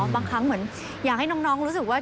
บางครั้งเหมือนอยากให้น้องรู้สึกว่า